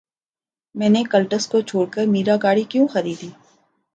میں نے کلٹس کو چھوڑ کر میرا گاڑی کیوں خریدی